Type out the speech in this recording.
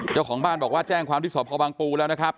เจ้าของบ้านบอกว่าแจ้งความที่สพบังปูแล้วนะครับ